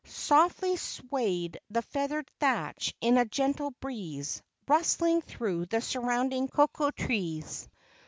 Softly swayed the feathered thatch in a gentle breeze, rustling through the surrounding coco¬ trees.